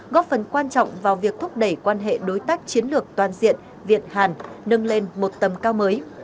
góp phần quan trọng vào việc thúc đẩy quan hệ đối tác chiến lược toàn diện việt hàn nâng lên một tầm cao mới